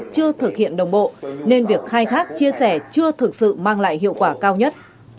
chưa thực hiện đồng bộ nên việc khai thác chia sẻ chưa thực sự mang lại hiệu quả cao nhất